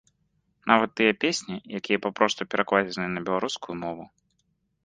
Нават тыя песні, якія папросту перакладзеныя на беларускую мову.